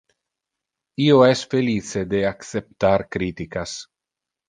Io es felice de acceptar criticas.